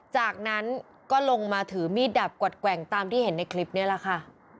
จากนั้นก็ลงมาถือมีดดับกวัดแกว่งตามที่เห็นในคลิปนี้แหละค่ะ